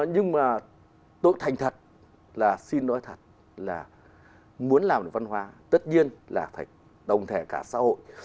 nhưng mà tôi thành thật là xin nói thật là muốn làm được văn hóa tất nhiên là phải đồng thẻ cả xã hội